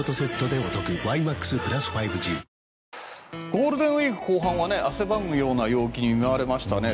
ゴールデンウィーク後半は汗ばむような陽気に見舞われましたね。